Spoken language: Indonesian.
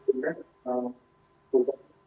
jadi saya berpikir